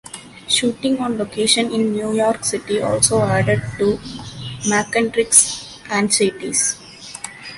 Shooting on location in New York City also added to Mackendrick's anxieties.